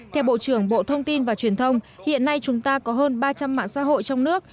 theo bộ trưởng bộ thông tin và truyền thông hiện nay chúng ta có hơn ba trăm linh mạng xã hội trong nước